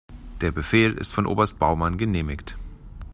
Der Befehl ist von Oberst Baumann genehmigt.